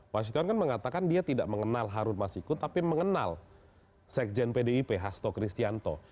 wasitwan kan mengatakan dia tidak mengenal harun masiku tapi mengenal sekjen pdip hasto kristianto